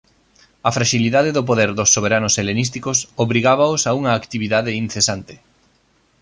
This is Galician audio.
A fraxilidade do poder dos soberanos helenísticos obrigábaos a unha actividade incesante.